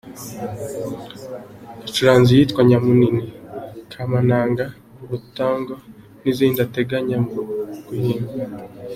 Yacuranze iyitwa “Nyamunini”, “Kamananga”, “Urutango” n’izindi ateganya guhimba.